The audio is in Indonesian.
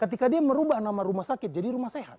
ketika dia merubah nama rumah sakit jadi rumah sehat